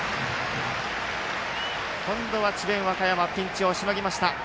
今度は智弁和歌山ピンチをしのぎました。